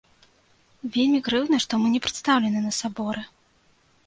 Вельмі крыўдна, што мы не прадстаўленыя на саборы.